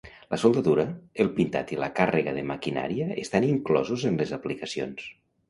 La soldadura, el pintat i la càrrega de maquinària estan inclosos en les aplicacions.